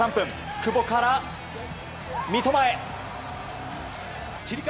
久保から三笘へ。